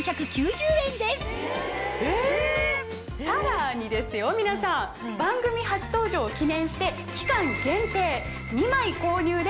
さらに皆さん番組初登場を記念して期間限定２枚購入で。